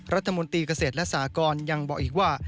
รัฐมนตรีเกษตรและสากรยังบอกอีกว่า